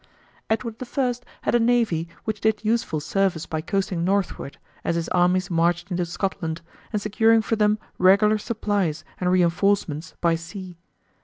Edward I had a navy which did useful service by coasting northward, as his armies marched into Scotland, and securing for them regular supplies and reinforcements by sea.